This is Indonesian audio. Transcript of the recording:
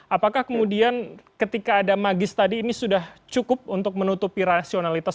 apakah kemudian ketika ada magis tadi ini sudah cukup untuk menutupi rasionalitas